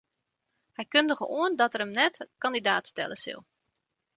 Hy kundige oan dat er him net kandidaat stelle sil.